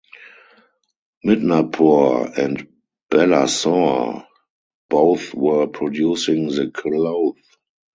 Midnapore and Balasore both were producing the cloth.